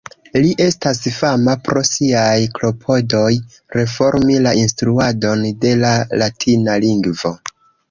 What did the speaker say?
Li estas fama pro siaj klopodoj reformi la instruadon de la latina lingvo.